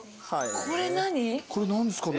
これ何ですかね。